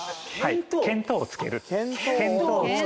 見当をつける。